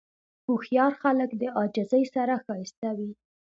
هوښیار خلک د عاجزۍ سره ښایسته وي.